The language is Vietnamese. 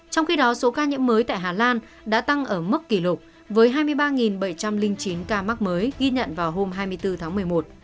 trong khi đó số ca nhiễm mới tại hà lan đã tăng ở mức kỷ lục với hai mươi ba bảy trăm linh chín ca mắc mới ghi nhận vào hôm hai mươi bốn tháng một mươi một